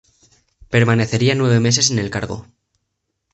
Permanecería nueve meses en el cargo.